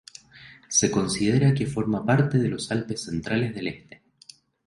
Se considera que forma parte de los Alpes centrales del este.